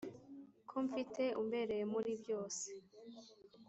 ko mfite umbereye muri bose